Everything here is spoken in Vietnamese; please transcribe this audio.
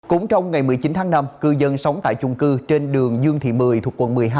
cũng trong ngày một mươi chín tháng năm cư dân sống tại chung cư trên đường dương thị mười thuộc quận một mươi hai